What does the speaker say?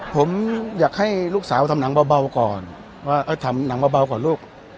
ผมอยากให้ลูกสาวทำหนังเบาก่อนว่าทำหนังเบาก่อนลูก